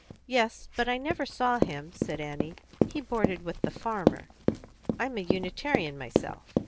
"Yes; but I never saw him," said Annie. "He boarded with the farmer. I'm a Unitarian myself."